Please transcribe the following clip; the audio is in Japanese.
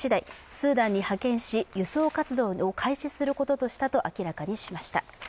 スーダンに派遣し輸送活動を開始することにしたと明らかにしました。